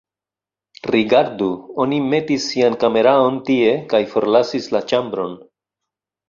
Rigardu, oni metis sian kameraon tie kaj forlasis la ĉambron